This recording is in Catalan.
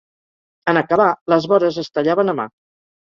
En acabar, les vores es tallaven a mà.